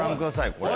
これ。